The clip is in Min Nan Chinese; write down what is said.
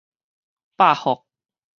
百福